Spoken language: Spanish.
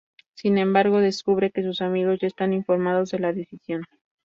Sin embargo descubre que sus amigos ya están informados de la decisión.